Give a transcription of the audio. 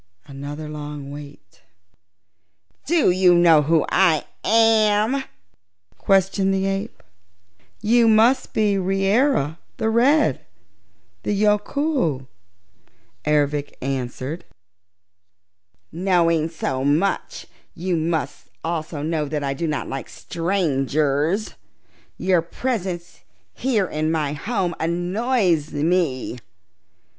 Another long wait. "Do you know who I am?" questioned the ape. "You must be Reera the Red the Yookoohoo," Ervic answered. "Knowing so much, you must also know that I do not like strangers. Your presence here in my home annoys me.